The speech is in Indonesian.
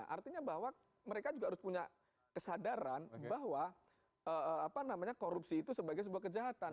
artinya bahwa mereka juga harus punya kesadaran bahwa korupsi itu sebagai sebuah kejahatan